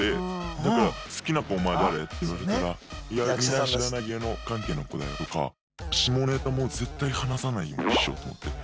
だから「好きな子お前誰？」って言われたら「いやみんな知らない芸能関係の子だよ」とか。下ネタも絶対話さないようにしようと思って。